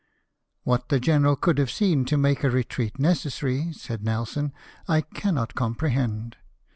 " What the general could have seen to make a retreat necessary," said Nelson, " I cannot comprehend.